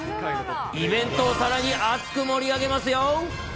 イベントをさらに熱く盛り上げますよ。